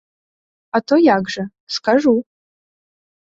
А то як жа, скажу.